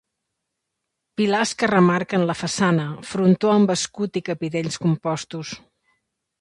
Pilars que remarquen la façana, frontó amb escut i capitells compostos.